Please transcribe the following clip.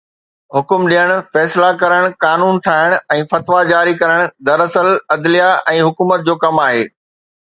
حڪم ڏيڻ، فيصلا ڪرڻ، قانون ٺاهڻ ۽ فتويٰ جاري ڪرڻ دراصل عدليه ۽ حڪومت جو ڪم آهي.